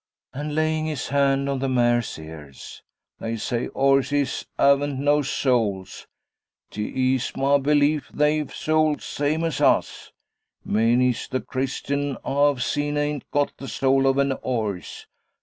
And laying his hand on the mare's ears, 'They zay 'orses 'aven't no souls. 'T es my belief they've souls zame as us. Many's the Christian ah've seen ain't got the soul of an 'orse.